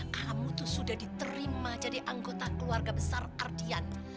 kamu tuh sudah diterima jadi anggota keluarga besar ardian